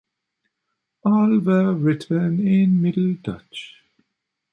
All were written in Middle Dutch.